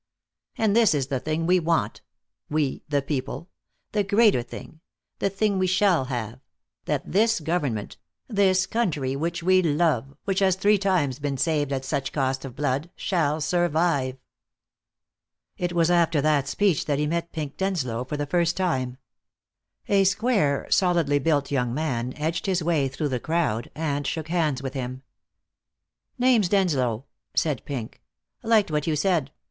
"And this is the thing we want, we the people; the greater thing, the thing we shall have; that this government, this country which we love, which has three times been saved at such cost of blood, shall survive." It was after that speech that he met Pink Denslow for the first time. A square, solidly built young man edged his way through the crowd, and shook hands with him. "Name's Denslow," said Pink. "Liked what you said.